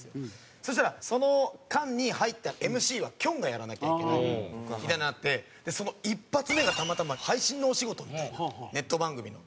そうしたらその間に入ったＭＣはきょんがやらなきゃいけないみたいになってその一発目がたまたま配信のお仕事みたいなネット番組の。